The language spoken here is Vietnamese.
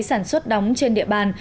sản xuất đóng trên địa bàn